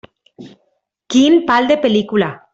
Quin pal de pel·lícula.